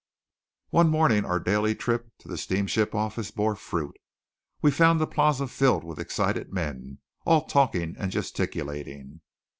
One morning our daily trip to the steamship office bore fruit. We found the plaza filled with excited men; all talking and gesticulating.